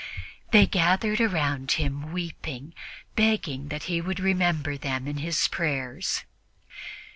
They gathered around him weeping, begging that he would remember them in his prayers.